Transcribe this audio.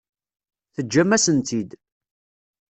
Teǧǧam-asen-tt-id.